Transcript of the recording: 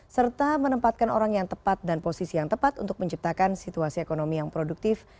serta menempatkan orang yang tepat dan posisi yang tepat untuk menciptakan situasi ekonomi yang produktif